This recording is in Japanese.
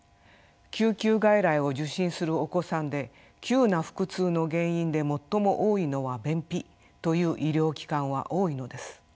救急外来を受診するお子さんで急な腹痛の原因で最も多いのは便秘という医療機関は多いのです。